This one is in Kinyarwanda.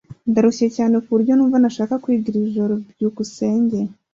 Ndarushye cyane kuburyo numva ntashaka kwiga iri joro. byukusenge